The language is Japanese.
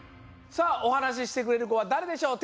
さあおはなししてくれるこはだれでしょう？